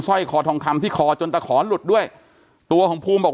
ร้อยคอทองคำที่คอจนตะขอหลุดด้วยตัวของภูมิบอก